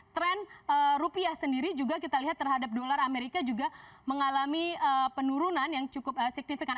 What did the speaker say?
tren rupiah sendiri juga kita lihat terhadap dolar amerika juga mengalami penurunan yang cukup signifikan